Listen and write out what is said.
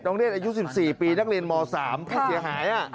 เนธอายุ๑๔ปีนักเรียนม๓ผู้เสียหาย